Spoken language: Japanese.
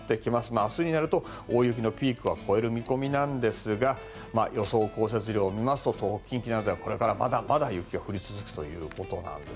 明日になると大雪のピークは超える見込みですが予想降雪量を見ますと東北、近畿などではこれから、まだまだ雪が降り続くということです。